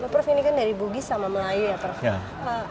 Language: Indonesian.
prof ini kan dari bugis sama melayu ya prof